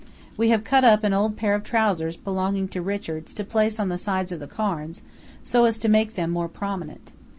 We have cut up an old pair of trousers belonging to Richards to place on the sides of the cairns, so as to make them more prominent.